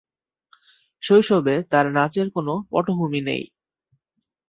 শৈশবে তাঁর নাচের কোন পটভূমি নেই।